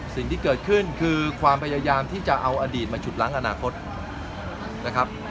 สิ่งที่เกิดขึ้นคือความพยายามที่จะเอาอดีตมาฉุดล้างอนาคตนะครับ